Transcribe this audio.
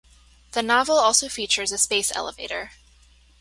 The novel also features a space elevator.